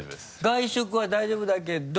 外食は大丈夫だけど。